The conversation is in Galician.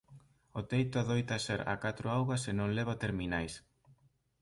O teito adoita ser a catro augas e non leva terminais.